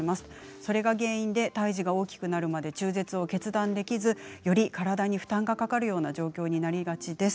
それが原因で胎児が大きくなるまで中絶を決断できずより体に負担がかかるような状況になりがちです。